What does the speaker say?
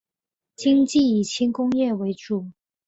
经济以轻工业为主。